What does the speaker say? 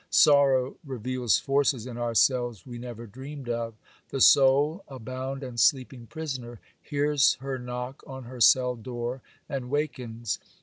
Sorrow reveals forces in ourselves we never dreamed of. The soul, a bound and sleeping prisoner, hears her knock on her cell door, and wakens.